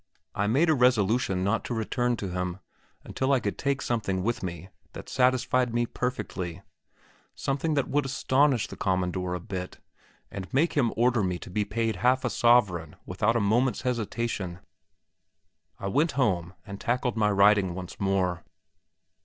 I made a resolution not to return to him until I could take something with me, that satisfied me perfectly; something that would astonish the "commandor" a bit, and make him order me to be paid half a sovereign without a moment's hesitation. I went home, and tackled my writing once more.